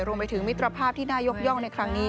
รวมไปถึงมิตรภาพที่น่ายกย่องในครั้งนี้